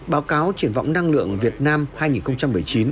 báo cáo triển vọng năng lượng việt nam hai nghìn một mươi chín